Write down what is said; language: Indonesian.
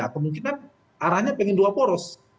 kemungkinan arahnya pengen dua poros